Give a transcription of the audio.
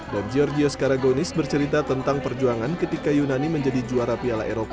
dan giorgio scaragonis bercerita tentang perjuangan ketika yunani menjadi juara piala eropa